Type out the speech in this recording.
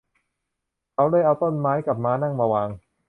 เขาเลยเอาต้นไม้กับม้านั่งมาวาง